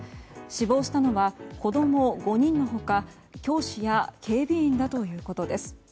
死亡したのは子供５人の他教師や警備員だということです。